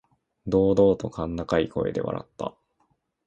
堂々と甲高い声で笑った。